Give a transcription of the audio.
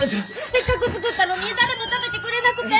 せっかく作ったのに誰も食べてくれなくて！